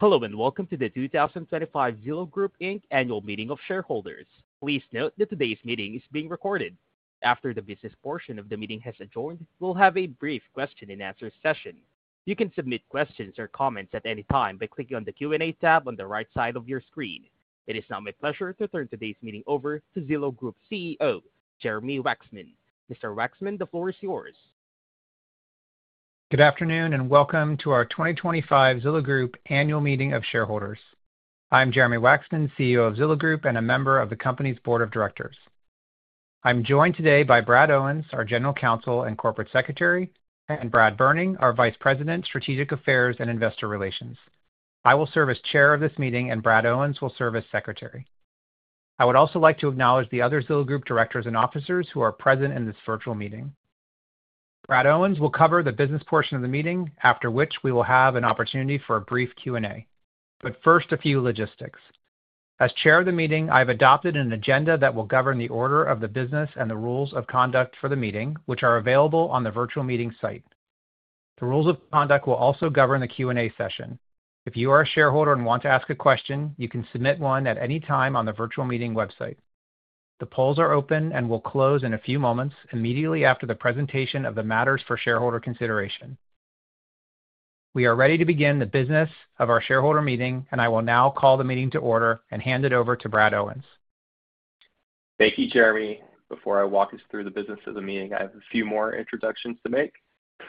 Hello, and welcome to the 2025 Zillow Group Annual Meeting of Shareholders. Please note that today's meeting is being recorded. After the business portion of the meeting has adjourned, we'll have a brief question-and-answer session. You can submit questions or comments at any time by clicking on the Q&A tab on the right side of your screen. It is now my pleasure to turn today's meeting over to Zillow Group CEO, Jeremy Wacksman. Mr. Wacksman, the floor is yours. Good afternoon, and welcome to our 2025 Zillow Group Annual Meeting of Shareholders. I'm Jeremy Wacksman, CEO of Zillow Group and a member of the company's board of directors. I'm joined today by Brad Owens, our General Counsel and Corporate Secretary, and Brad Berning, our Vice President, Strategic Affairs and Investor Relations. I will serve as chair of this meeting, and Brad Owens will serve as secretary. I would also like to acknowledge the other Zillow Group directors and officers who are present in this virtual meeting. Brad Owens will cover the business portion of the meeting, after which we will have an opportunity for a brief Q&A. First, a few logistics. As chair of the meeting, I have adopted an agenda that will govern the order of the business and the rules of conduct for the meeting, which are available on the virtual meeting site. The rules of conduct will also govern the Q&A session. If you are a shareholder and want to ask a question, you can submit one at any time on the virtual meeting website. The polls are open and will close in a few moments immediately after the presentation of the matters for shareholder consideration. We are ready to begin the business of our shareholder meeting, and I will now call the meeting to order and hand it over to Brad Owens. Thank you, Jeremy. Before I walk us through the business of the meeting, I have a few more introductions to make.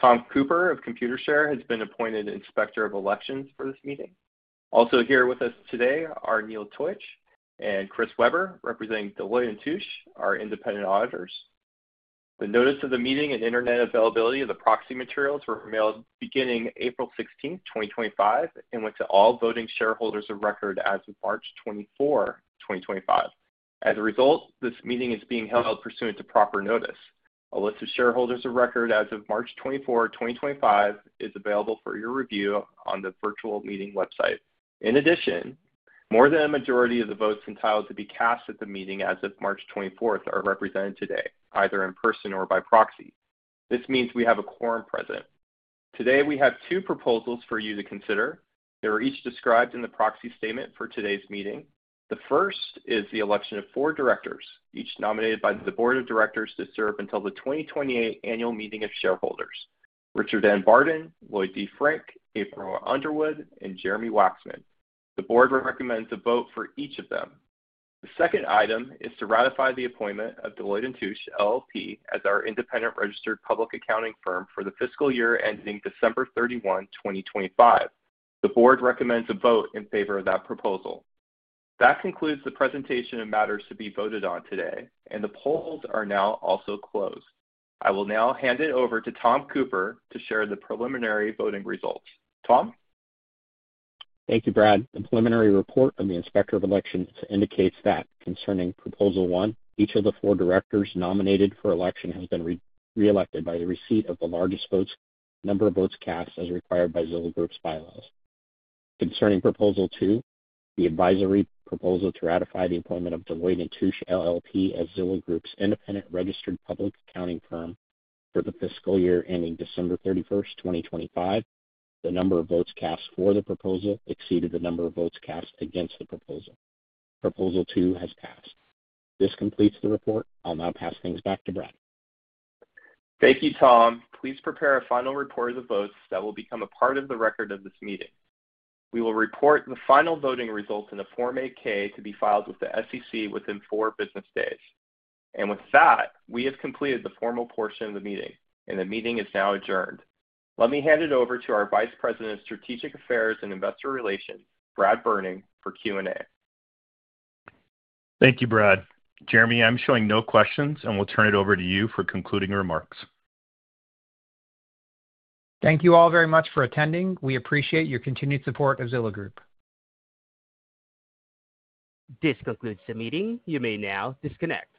Tom Cooper of Computershare has been appointed inspector of elections for this meeting. Also, here with us today are Neil Toitsch and Chris Weber, representing Deloitte & Touche, our independent auditors. The notice of the meeting and internet availability of the proxy materials were mailed beginning April 16, 2025, and went to all voting shareholders of record as of March 24, 2025. As a result, this meeting is being held pursuant to proper notice. A list of shareholders of record as of March 24, 2025, is available for your review on the virtual meeting website. In addition, more than a majority of the votes entitled to be cast at the meeting as of March 24 are represented today, either in person or by proxy. This means we have a quorum present. Today, we have two proposals for you to consider. They are each described in the proxy statement for today's meeting. The first is the election of four directors, each nominated by the board of directors to serve until the 2028 annual meeting of shareholders: Richard N. Barton, Lloyd D. Frank, April Underwood, and Jeremy Wacksman. The board recommends a vote for each of them. The second item is to ratify the appointment of Deloitte & Touche LLP as our independent registered public accounting firm for the fiscal year ending December 31, 2025. The board recommends a vote in favor of that proposal. That concludes the presentation of matters to be voted on today, and the polls are now also closed. I will now hand it over to Tom Cooper to share the preliminary voting results. Tom? Thank you, Brad. The preliminary report of the inspector of elections indicates that, concerning proposal one, each of the four directors nominated for election has been re-elected by the receipt of the largest number of votes cast as required by Zillow Group's bylaws. Concerning proposal two, the advisory proposal to ratify the appointment of Deloitte & Touche LLP as Zillow Group's independent registered public accounting firm for the fiscal year ending December 31, 2025, the number of votes cast for the proposal exceeded the number of votes cast against the proposal. Proposal two has passed. This completes the report. I'll now pass things back to Brad. Thank you, Tom. Please prepare a final report of the votes that will become a part of the record of this meeting. We will report the final voting results in a Form 8-K to be filed with the SEC within four business days. With that, we have completed the formal portion of the meeting, and the meeting is now adjourned. Let me hand it over to our Vice President of Strategic Affairs and Investor Relations, Brad Berning, for Q&A. Thank you, Brad. Jeremy, I'm showing no questions, and we'll turn it over to you for concluding remarks. Thank you all very much for attending. We appreciate your continued support of Zillow Group. This concludes the meeting. You may now disconnect.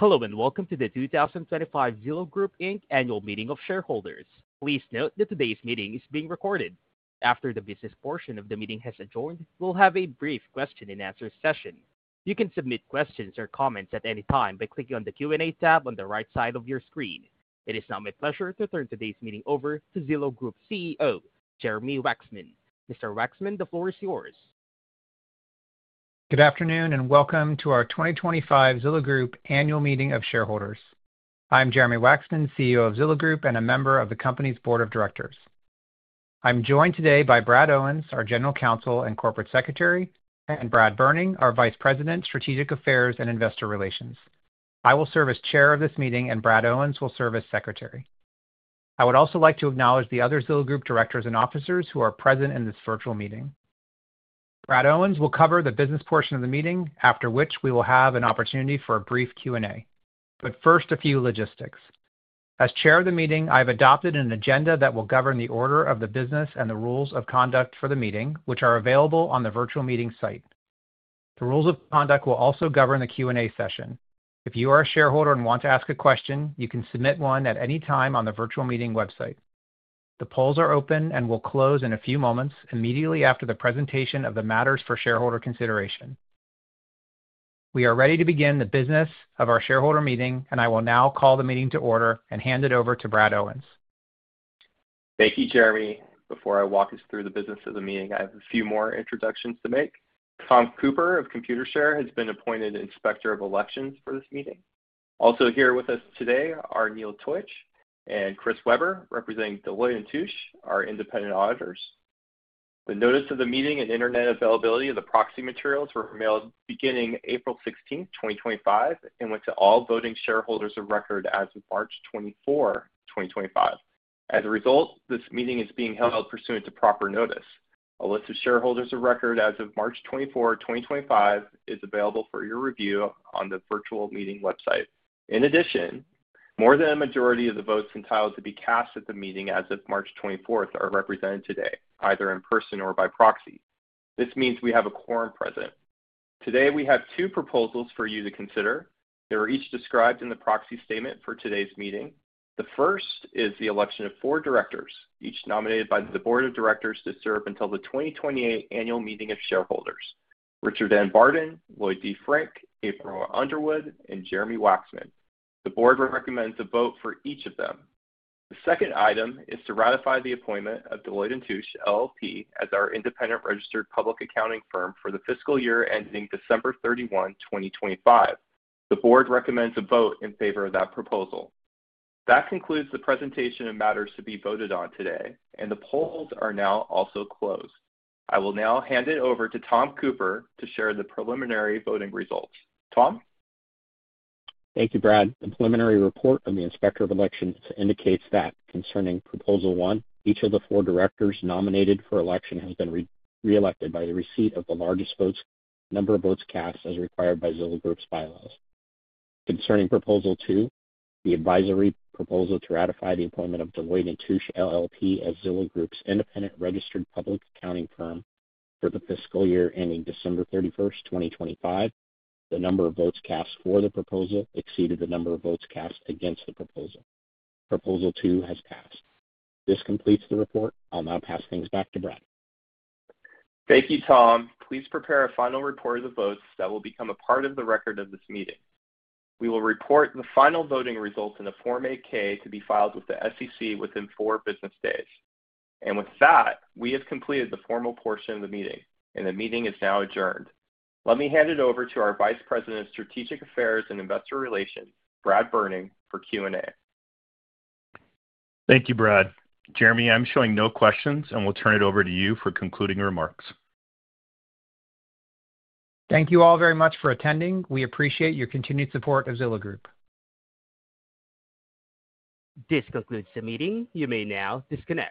Hello and welcome to the 2025 Zillow Group Annual Meeting of Shareholders. Please note that today's meeting is being recorded. After the business portion of the meeting has adjourned, we'll have a brief question-and-answer session. You can submit questions or comments at any time by clicking on the Q&A tab on the right side of your screen. It is now my pleasure to turn today's meeting over to Zillow Group CEO, Jeremy Wacksman. Mr. Wacksman, the floor is yours. Good afternoon, and welcome to our 2025 Zillow Group Annual Meeting of Shareholders. I'm Jeremy Wacksman, CEO of Zillow Group and a member of the company's board of directors. I'm joined today by Brad Owens, our General Counsel and Corporate Secretary, and Brad Berning, our Vice President, Strategic Affairs and Investor Relations. I will serve as chair of this meeting, and Brad Owens will serve as secretary. I would also like to acknowledge the other Zillow Group directors and officers who are present in this virtual meeting. Brad Owens will cover the business portion of the meeting, after which we will have an opportunity for a brief Q&A. First, a few logistics. As chair of the meeting, I have adopted an agenda that will govern the order of the business and the rules of conduct for the meeting, which are available on the virtual meeting site. The rules of conduct will also govern the Q&A session. If you are a shareholder and want to ask a question, you can submit one at any time on the virtual meeting website. The polls are open and will close in a few moments immediately after the presentation of the matters for shareholder consideration. We are ready to begin the business of our shareholder meeting, and I will now call the meeting to order and hand it over to Brad Owens. Thank you, Jeremy. Before I walk us through the business of the meeting, I have a few more introductions to make. Tom Cooper of Computershare has been appointed inspector of elections for this meeting. Also here with us today are Neil Toitsch and Chris Weber, representing Deloitte & Touche as our independent auditors. The notice of the meeting and internet availability of the proxy materials were mailed beginning April 16, 2025, and went to all voting shareholders of record as of March 24, 2025. As a result, this meeting is being held pursuant to proper notice. A list of shareholders of record as of March 24, 2025, is available for your review on the virtual meeting website. In addition, more than a majority of the votes entitled to be cast at the meeting as of March 24 are represented today, either in person or by proxy. This means, we have a quorum present. Today, we have two proposals for you to consider. They were each described in the proxy statement for today's meeting. The first is the election of four directors, each nominated by the board of directors to serve until the 2028 Annual Meeting of Shareholders: Richard N. Barton, Lloyd D. Frank, April Underwood, and Jeremy Wacksman. The board recommends a vote for each of them. The second item is to ratify the appointment of Deloitte & Touche LLP as our independent registered public accounting firm for the fiscal year ending December 31, 2025. The board recommends a vote in favor of that proposal. That concludes the presentation of matters to be voted on today, and the polls are now also closed. I will now hand it over to Tom Cooper to share the preliminary voting results. Tom? Thank you, Brad. The preliminary report of the inspector of elections indicates that concerning proposal one, each of the four directors nominated for election has been re-elected by the receipt of the largest number of votes cast as required by Zillow Group's bylaws. Concerning proposal two, the advisory proposal to ratify the appointment of Deloitte & Touche LLP as Zillow Group's independent registered public accounting firm for the fiscal year ending December 31, 2025, the number of votes cast for the proposal exceeded the number of votes cast against the proposal. Proposal two has passed. This completes the report. I'll now pass things back to Brad. Thank you, Tom. Please prepare a final report of the votes that will become a part of the record of this meeting. We will report the final voting results in a Form 8-K to be filed with the SEC within four business days. With that, we have completed the formal portion of the meeting, and the meeting is now adjourned. Let me hand it over to our Vice President of Strategic Affairs and Investor Relations, Brad Berning, for Q&A. Thank you, Brad. Jeremy, I'm showing no questions, and we'll turn it over to you for concluding remarks. Thank you all very much for attending. We appreciate your continued support of Zillow Group. This concludes the meeting. You may now disconnect.